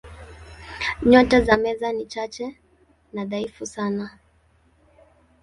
Nyota za Meza ni chache na dhaifu sana.